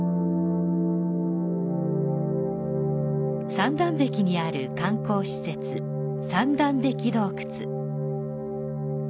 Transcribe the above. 三段壁にある観光施設、三段壁洞窟。